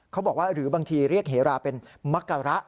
เขาบอกว่าหรือบางทีเรียกเหราเป็นมะกะระ